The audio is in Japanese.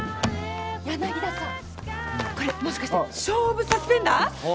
柳田さんこれもしかして勝負サスペンダー？